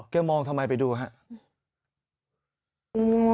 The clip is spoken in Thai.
มองทำไมไปดูครับ